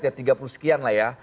ya tiga puluh sekian lah ya